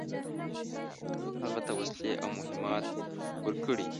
هغه ته وسلې او مهمات ورکړي.